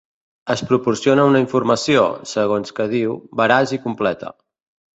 Es proporciona una informació, segons que diu, “veraç i completa”.